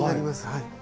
はい。